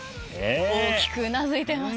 大きくうなずいてます。